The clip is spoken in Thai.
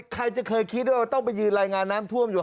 ใครจะเคยคิดว่าต้องไปยืนรายงานน้ำท่วมอยู่